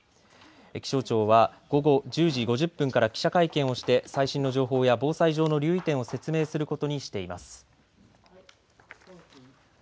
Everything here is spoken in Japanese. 気象庁は午後１０時５０分から記者会見をして最新の情報や防災上の留意点を説明することにしています。